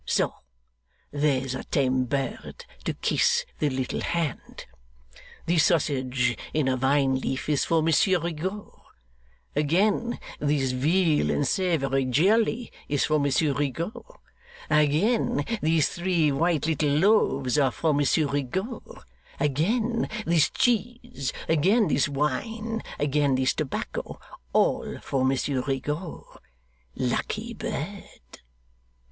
So, there's a tame bird to kiss the little hand! This sausage in a vine leaf is for Monsieur Rigaud. Again this veal in savoury jelly is for Monsieur Rigaud. Again these three white little loaves are for Monsieur Rigaud. Again, this cheese again, this wine again, this tobacco all for Monsieur Rigaud. Lucky bird!